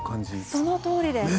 そのとおりです。